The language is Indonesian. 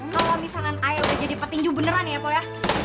kalau misalkan ayah udah jadi petinju beneran ya pak ya